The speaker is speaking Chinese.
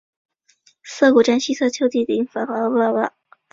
涩谷站西侧丘陵地的繁华街。